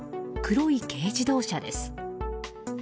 黒い軽自動車です。